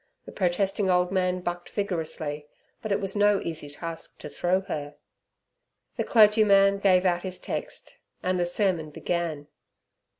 The protesting old man bucked vigorously, but it was no easy task to throw her. The clergyman gave out his text, and the sermon began.